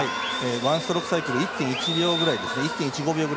ワンストロークサイクル１．１５秒ぐらいです。